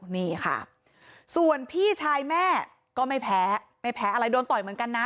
นี่ค่ะส่วนพี่ชายแม่ก็ไม่แพ้ไม่แพ้อะไรโดนต่อยเหมือนกันนะ